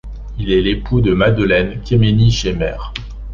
Il est l'époux de Madeleine Kemény-Szemere.